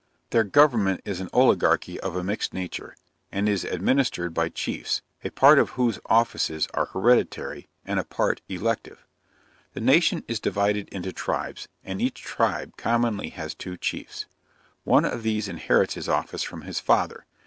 Their government is an oligarchy of a mixed nature; and is administered by Chiefs, a part of whose offices are hereditary, and a part elective. The nation is divided into tribes, and each tribe commonly has two Chiefs. One of these inherits his office from his father.